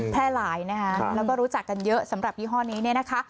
แพร่หลายนะคะแล้วก็รู้จักกันเยอะสำหรับยี่ห้อนี้เนี่ยนะคะ